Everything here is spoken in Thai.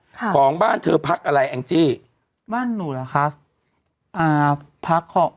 ค่ะของบ้านเธอหลักอะไรแอ้งจี้บ้านหนูเหรอค่ะอ่าพัก